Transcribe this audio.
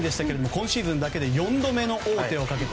今シーズンだけで４度目の王手をかけた。